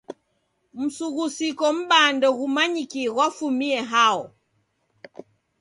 Msughusiko m'baa ndoghumanyikie ghwafumie hao.